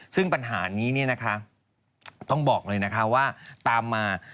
ซึ่งปัญหานี้ต้องบอกเลยนะคะว่าตามมา